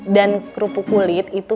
dan kerupuk kulit itu